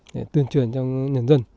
để tuyên truyền cho nhân dân